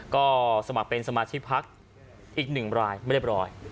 ก็สมัครเป็นสมาชิกพักอีกหนึ่งรายไม่ได้บร้อย